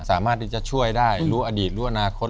สามารถที่จะช่วยได้รู้อดีตรู้อนาคต